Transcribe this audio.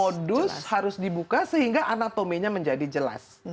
modus harus dibuka sehingga anatominya menjadi jelas